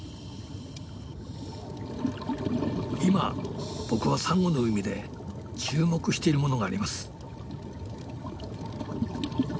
今僕はサンゴの海で注目しているものがあります。